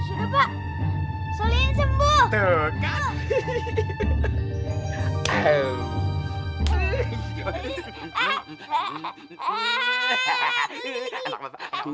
enggak saya yang kekenyangan